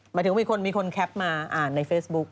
หมายถึงมีคนมีคนแคปมาอ่านในเฟซบุ๊ค